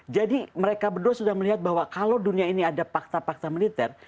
jadi mereka berdua sudah melihat bahwa kalau dunia ini ada fakta fakta militer